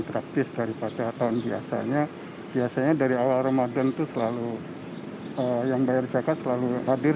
praktis daripada tahun biasanya biasanya dari awal ramadan itu selalu yang bayar zakat selalu hadir